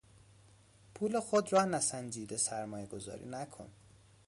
پول خود را نسنجیده سرمایهگذاری نکن!